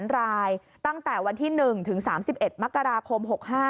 ๓รายตั้งแต่วันที่๑ถึง๓๑มกราคม๖๕